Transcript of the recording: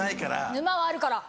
沼はあるから！